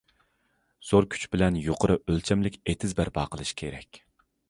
زور كۈچ بىلەن يۇقىرى ئۆلچەملىك ئېتىز بەرپا قىلىش كېرەك.